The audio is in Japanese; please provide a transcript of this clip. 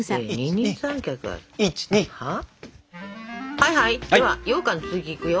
はいはいではようかんの続きいくよ。